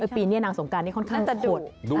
ปีนี้นางสงกรานนี่ค่อนข้างโหด